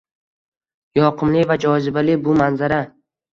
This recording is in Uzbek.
Yoqimli va jozibali bu manzara…